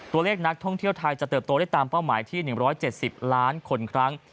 ตัวเลขนักท่องเที่ยวไทยจะเติบโตได้ตามเป้าหมายที่๑๗๐ล้านคนครั้ง